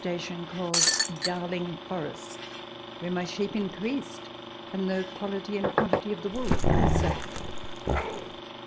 station called Dowliug Forest, where my sheep increased, and the quality and quantity of the wool also.